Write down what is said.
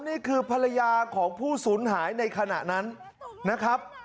นี่คือภรรยาของผู้สูญหายในขณะนั้นนะครับ